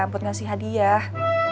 buat ngasih hadiah